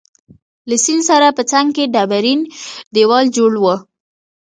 له سیند سره په څنګ کي ډبرین دیوال جوړ وو.